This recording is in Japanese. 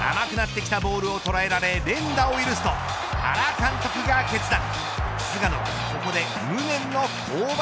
しかし甘くなってきたボールをとらえられ連打を許すと原監督が決断。